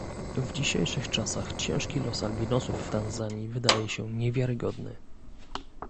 W dzisiejszych czasach ciężki los albinosów w Tanzanii wydaje się niewiarygodny